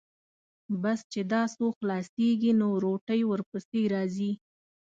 بس چې دا څو خلاصېږي، نو روټۍ ورپسې راځي.